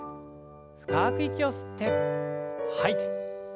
深く息を吸って吐いて。